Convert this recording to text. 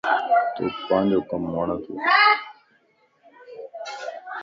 توک پانجو ڪم وڻتو؟